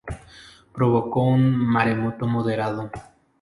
Provocó un maremoto moderado.